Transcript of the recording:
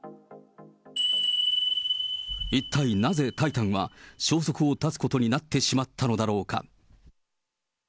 一体なぜ、タイタンは消息を絶つことになってしまったのだろうか。